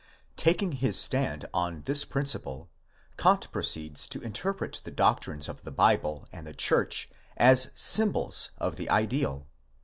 _Taking his stand on this principle, Kant proceeds to interpret the doctrines of the Bible and the church as symbols of the ideal.